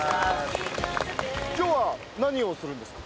今日は何をするんですか？